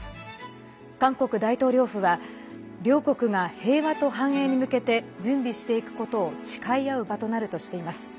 韓国大統領府は両国が平和と繁栄に向けて準備していくことを誓い合う場となるとしています。